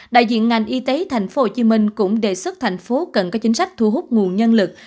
đại diện ngành y tế tp hcm cũng đề xuất thành phố cần có chính sách thu hút nguồn nhân lực